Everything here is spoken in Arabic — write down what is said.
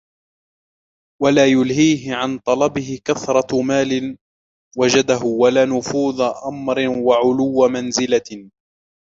وَلَا يُلْهِيهِ عَنْ طَلَبِهِ كَثْرَةُ مَالٍ وَجَدَهُ وَلَا نُفُوذُ أَمْرٍ وَعُلُوُّ مَنْزِلَةٍ